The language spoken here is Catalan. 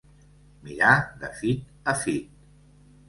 Mirar de fit a fit.